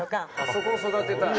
そこを育てたい？